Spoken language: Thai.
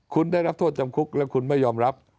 คุณได้รับโทษจำคุกและคุณไม่ยอมรับ